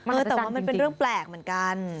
เออแต่ว่ามันเป็นเรื่องแปลกเหมือนกัน